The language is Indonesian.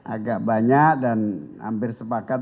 agak banyak dan hampir sepakat